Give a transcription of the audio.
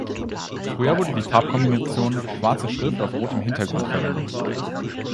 Früher wurde die Farbkombination schwarze Schrift auf rotem Hintergrund verwendet.